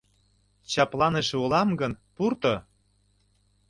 — Чапланыше улам гын, пурто.